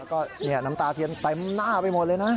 แล้วก็น้ำตาเทียนใส่หน้าไปหมดเลยนะ